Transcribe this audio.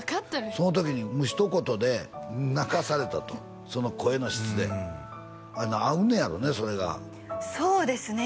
その時にひと言で泣かされたとその声の質で合うんやろうねそれがそうですね